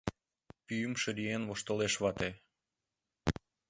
Пӱйым шыриен воштылеш вате.